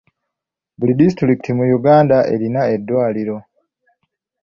Buli disitulikiti mu Uganda erina eddwaliro.